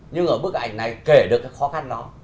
nhưng ở bức ảnh này kể được cái khó khăn đó